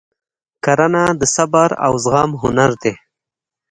کرنه د صبر او زغم هنر دی.